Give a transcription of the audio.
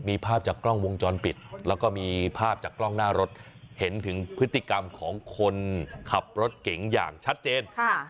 มีภาพจากกล้องวงจรปิดแล้วก็มีภาพจากกล้องหน้ารถเห็นถึงพฤติกรรมของคนขับรถเก๋งอย่างชัดเจน